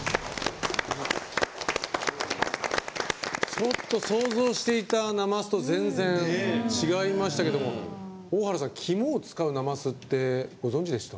ちょっと想像していたなますと全然、違いましたけども大原さん、肝を使うなますってご存じでした？